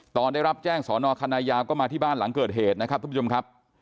ตอนได้รับแจ้งสอนอคณะยาวก็มาที่บ้านหลังเกิดเหตุนะครับทุกผู้ชมครับ